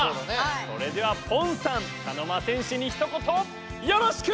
それではポンさん茶の間戦士にひと言よろしく！